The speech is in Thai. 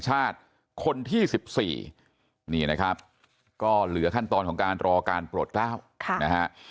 คนที่๑๔นี่นะครับก็เหลือขั้นตอนของการรอการโปรดกล้าวนะฮะ